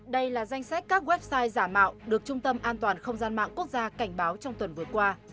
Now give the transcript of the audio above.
đây là danh sách các website giả mạo được trung tâm an toàn không gian mạng quốc gia cảnh báo trong tuần vừa qua